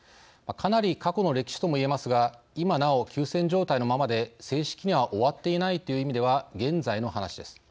かなり過去の歴史ともいえますが今なお休戦状態のままで正式には終わっていないという意味では現在の話です。